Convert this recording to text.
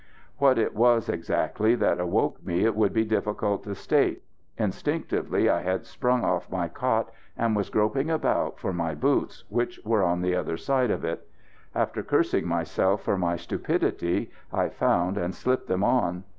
What it was exactly that awoke me it would be difficult to state. Instinctively I had sprung off my cot and was groping about for my boots, which were on the other side of it. After cursing myself for my stupidity, I found and slipped them on.